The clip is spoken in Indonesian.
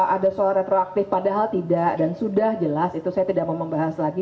ada soal retroaktif padahal tidak dan sudah jelas itu saya tidak mau membahas lagi